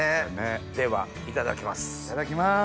ではいただきます。